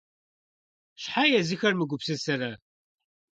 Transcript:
Щхьэ езыхэр мыгупсысэрэ?!